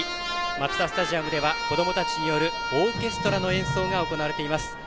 マツダスタジアムでは子どもたちによるオーケストラの演奏が行われています。